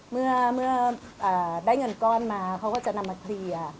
เมื่อได้เงินก้อนมาเขาก็จะนำมาเคลียร์